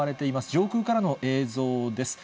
上空からの映像です。